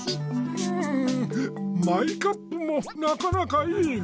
んんマイカップもなかなかいいが。